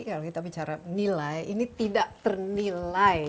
kalau kita bicara nilai ini tidak ternilai